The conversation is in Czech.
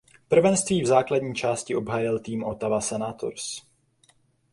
Prvenství v základní části obhájil tým Ottawa Senators.